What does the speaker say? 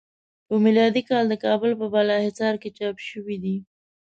په میلادی کال د کابل په بالا حصار کې چاپ شوی دی.